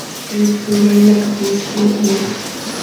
En su lugar en la capilla se colocó una copia.